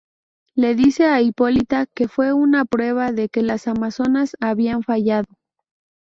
Le dice a Hipólita que fue una prueba de que las amazonas habían fallado.